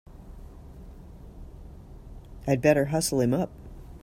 I'd better hustle him up!